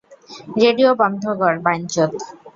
Radio বন্ধ কর, বাইঞ্চোদ!